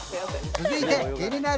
続いて気になる